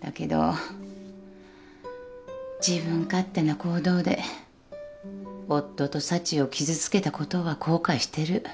だけど自分勝手な行動で夫と幸を傷つけたことは後悔してる。